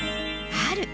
春。